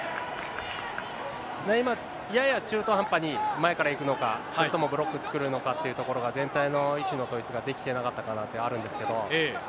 今、やや中途半端に、前から行くのか、それともブロック作るのかってところが、全体の意思の統一ができてなかったかなというのがあるんですけど。